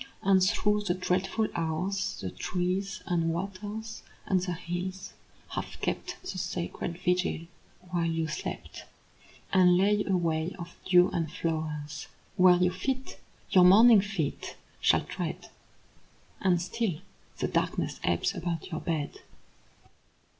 And through the dreadful hours The trees and waters and the hills have kept The sacred vigil while you slept, And lay a way of dew and flowers Where your feet, your morning feet, shall tread. And still the darkness ebbs about your bed.